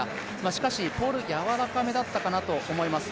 しかし、ポール、やわらかめだったかなと思います。